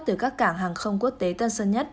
từ các cảng hàng không quốc tế tân sơn nhất